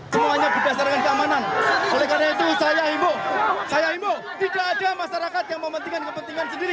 semuanya berdasarkan keamanan oleh karena itu saya imbu saya imbu tidak ada masyarakat yang mementingkan kepentingan sendiri